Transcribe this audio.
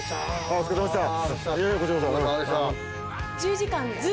お疲れさまでした。